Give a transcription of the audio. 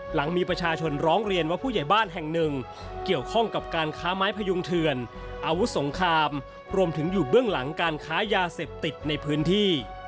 หลังมีประชาชนร้องเรียนว่าผู้ใหญ่บ้านแห่งหนึ่งเกี่ยวข้องกับการค้าไม้พยุงเถื่อนอาวุธสงครามรวมถึงอยู่เบื้องหลังการค้ายาเสพติดในพื้นที่